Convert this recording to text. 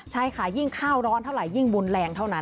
ใช่ค่ะยิ่งข้าวร้อนเท่าไหยิ่งบุญแรงเท่านั้น